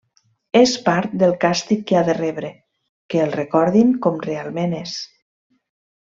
És part del càstig que ha de rebre, que el recordin com realment és.